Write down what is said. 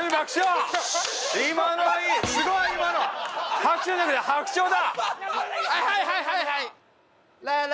はいはいはいはいはい！